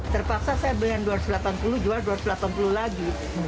terpaksa saya beli yang rp dua ratus delapan puluh jual rp dua ratus delapan puluh lagi